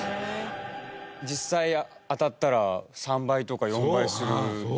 実際当たったら３倍とか４倍するジュエリー。